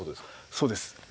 そうです。